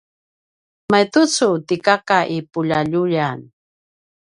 mayatucu ti kaka i puljaljuyan